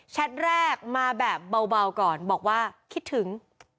แรกมาแบบเบาก่อนบอกว่าคิดถึง